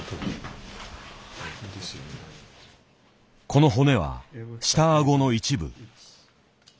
この骨は下顎の一部。